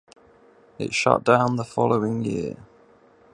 It shut down the following year.